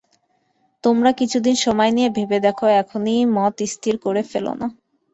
তোমরা কিছুদিন সময় নিয়ে ভেবে দেখো, এখনই মত স্থির করে ফেলো না।